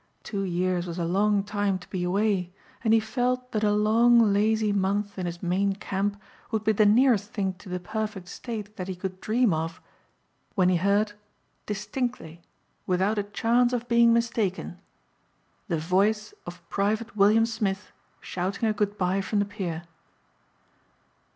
Two years was a long time to be away and he felt that a long lazy month in his Maine camp would be the nearest thing to the perfect state that he could dream of when he heard, distinctly, without a chance of being mistaken, the voice of Private William Smith shouting a goodbye from the pier.